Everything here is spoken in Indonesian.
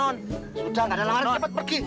sudah gak ada lamaran cepet pergi